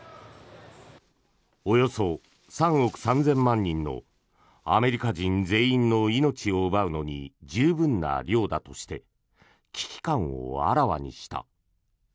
およそ３億３０００万人のアメリカ人全員の命を奪うのに十分な量だとして危機感をあらわにした。